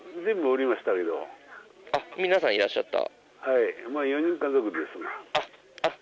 皆さん、いらっしゃった。